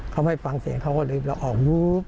เขาไม่ฟังเสียงเขาก็เลยเราออกดู